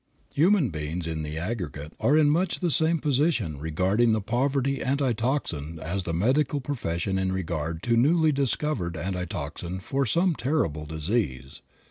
Human beings in the aggregate are in much the same position regarding the poverty antitoxin as the medical profession in regard to newly discovered antitoxin for some terrible disease.